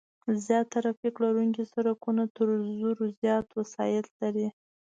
زیات ترافیک لرونکي سرکونه تر زرو زیات وسایط لري